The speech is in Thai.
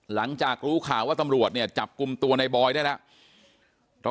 หลังจากรู้ข่าวว่าตำรวจเนี่ยจับกลุ่มตัวในบอยได้แล้ว